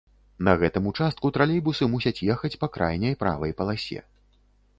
На гэтым участку тралейбусы мусяць ехаць па крайняй правай паласе.